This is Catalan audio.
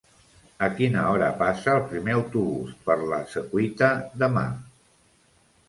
A quina hora passa el primer autobús per la Secuita demà?